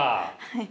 はい。